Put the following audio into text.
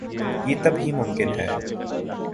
یہ تب ہی ممکن ہے۔